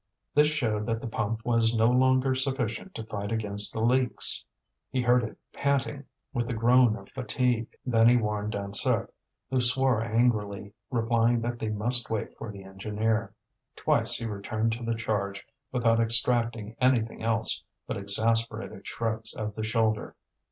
This showed that the pump was no longer sufficient to fight against the leaks. He heard it panting with the groan of fatigue. Then he warned Dansaert, who swore angrily, replying that they must wait for the engineer. Twice he returned to the charge without extracting anything else but exasperated shrugs of the shoulder.